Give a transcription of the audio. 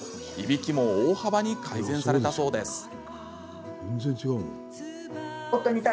いびきも大幅に改善されたそうです。